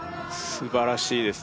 素晴らしいです